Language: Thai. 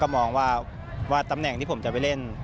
มองว่าตำแหน่งที่ผมจะไปเล่น